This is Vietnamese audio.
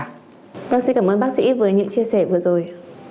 vâng xin cảm ơn bác sĩ với những chia sẻ vừa rồi